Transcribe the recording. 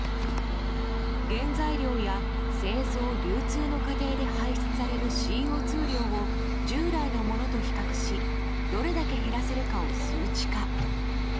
原材料や製造・流通の過程で排出されるＣＯ２量を従来のものと比較しどれだけ減らせるかを数値化。